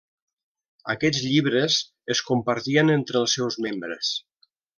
Aquests llibres es compartien entre els seus membres.